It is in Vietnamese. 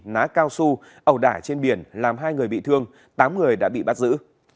ná cao su ẩu đả trên biển làm hai người bị thương tám người đã bị bắt giữ